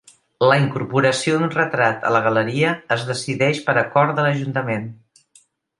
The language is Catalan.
La incorporació d'un retrat a la galeria es decideix per acord de l'Ajuntament.